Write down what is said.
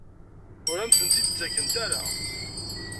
Ur am-tent-id-ttakent ara?